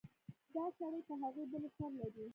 دا شړۍ پر هغې بلې سر لري.